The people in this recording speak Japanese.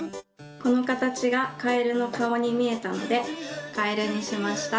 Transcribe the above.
このかたちがカエルのかおにみえたのでカエルにしました。